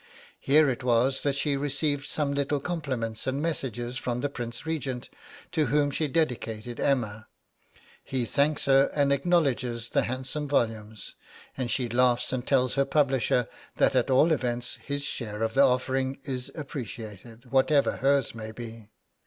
Here it was that she received some little compliments and messages from the Prince Regent, to whom she dedicated 'Emma.' He thanks her and acknowledges the handsome volumes, and she laughs and tells her publisher that at all events his share of the offering is appreciated, whatever hers may be!